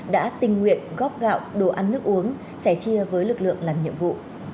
đã tình nguyện góp gạo đồ ăn nước uống sẻ chia với lực lượng làm nhiệm vụ